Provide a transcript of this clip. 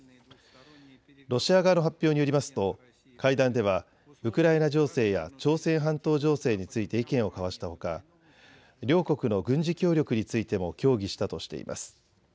ロシア側の発表によりますと会談ではウクライナ情勢や朝鮮半島情勢について意見を交わしたほか両国の軍事協力についても協議したとしています。